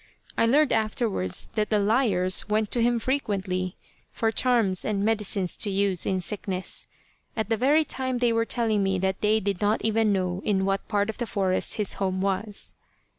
I learned afterwards that the liars went to him frequently, for charms and medicines to use in sickness, at the very time they were telling me that they did not even know in what part of the forest his home was.